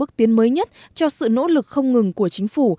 bước tiến mới nhất cho sự nỗ lực không ngừng của chính phủ